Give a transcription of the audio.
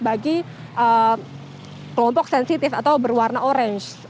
bagi kelompok sensitif atau berwarna orange